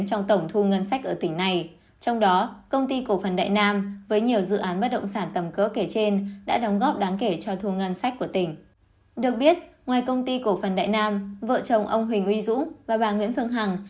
công ty cổ phần đại nam vợ chồng ông huỳnh uy dũng và bà nguyễn phương hằng